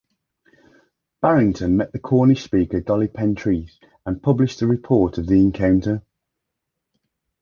Barrington met the Cornish speaker Dolly Pentreath and published a report of the encounter.